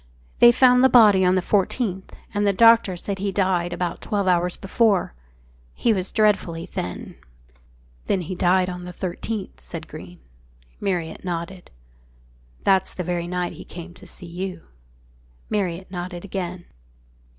... They found the body on the 14th and the doctor said he had died about twelve hours before. ... He was dreadfully thin. ..." "Then he died on the 13th," said Greene. Marriott nodded. "That's the very night he came to see you." Marriott nodded again.